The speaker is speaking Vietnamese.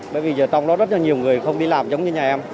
bởi vì trong đó rất nhiều người không đi làm giống như nhà em